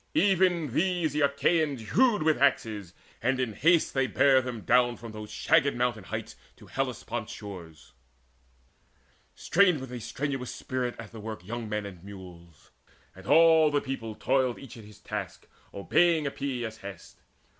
Even these the Achaeans hewed With axes, and in haste they bare them down From those shagged mountain heights to Hellespont's shores. Strained with a strenuous spirit at the work Young men and mules; and all the people toiled Each at his task obeying Epeius's hest.